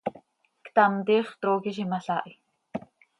Ctam, tiix trooqui z imalaahi.